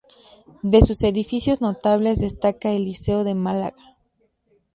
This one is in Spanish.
De sus edificios notables destaca el Liceo de Málaga